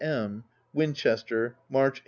M. Winchester, March 1881.